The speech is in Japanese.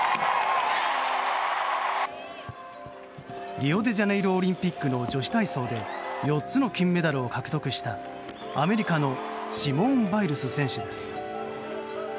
リオデジャネイロオリンピックの女子体操で４つの金メダルを獲得したアメリカのシモーン・バイルス選手です。